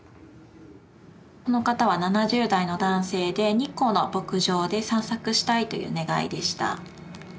この方は７０代の男性で日光の牧場で散策したいという願いでした。